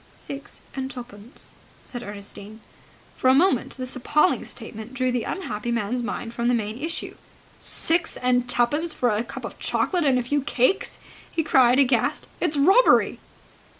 "Six and twopence," said Ernestine. For a moment this appalling statement drew the unhappy man's mind from the main issue. "Six and twopence for a cup of chocolate and a few cakes?" he cried, aghast. "It's robbery!"